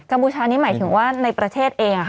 บูชานี่หมายถึงว่าในประเทศเอง